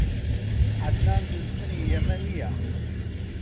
عەدنان دوژمنی ئێمە نییە.